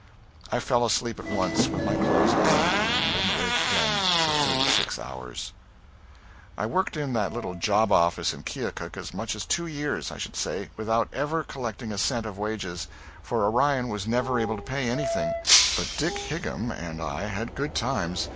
I fell asleep at once, with my clothes on, and didn't wake again for thirty six hours. [Sidenote: (1854.)] ... I worked in that little job office in Keokuk as much as two years, I should say, without ever collecting a cent of wages, for Orion was never able to pay anything but Dick Higham and I had good times.